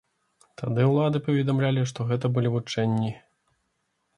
Тады ўлады паведамлялі, што гэта былі вучэнні.